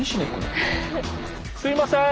すいません！